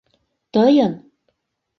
Тыйын?